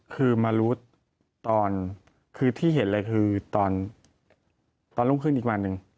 คือมารู้ตอนคือที่เห็นเลยคือตอนรุ่งขึ้นอีกวันหนึ่ง